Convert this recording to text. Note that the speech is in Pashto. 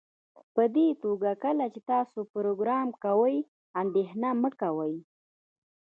پدې توګه کله چې تاسو پروګرام کوئ اندیښنه مه کوئ